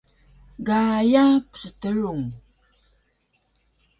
Gaya pstrung